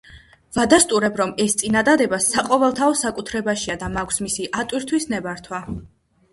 ვადასტურებ, რომ ეს წინადადება საყოველთაო საკუთრებაშია და მაქვს მისი ატვირთვის ნებართვა.